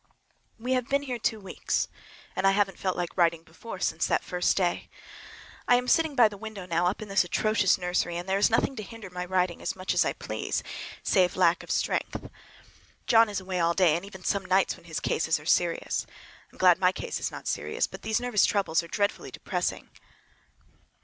We have been here two weeks, and I haven't felt like writing before, since that first day. I am sitting by the window now, up in this atrocious nursery, and there is nothing to hinder my writing as much as I please, save lack of strength. John is away all day, and even some nights when his cases are serious. I am glad my case is not serious! But these nervous troubles are dreadfully depressing.